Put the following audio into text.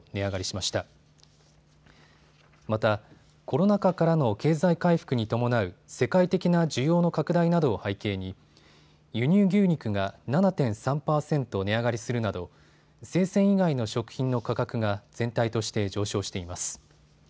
またコロナ禍からの経済回復に伴う世界的な需要の拡大などを背景に輸入牛肉が７．３％値上がりするなど生鮮以外の食品の価格が全体として上昇しています。